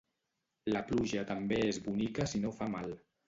La pluja també és bonica si no fa mal